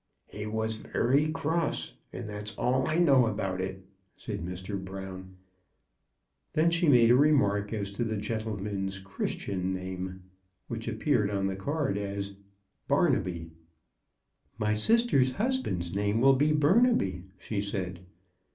He was very cross, and that's all I know about it," said Mr. Brown. Then she made a remark as to the gentleman's Christian name, which appeared on the card as " Bar naby." "My sister's husband's name will be Burnaby," she said.